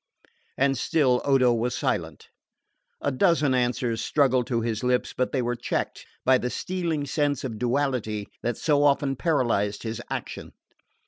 And still Odo was silent. A dozen answers struggled to his lips; but they were checked by the stealing sense of duality that so often paralysed his action.